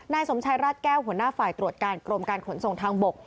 สมชายราชแก้วหัวหน้าฝ่ายตรวจการกรมการขนส่งทางบก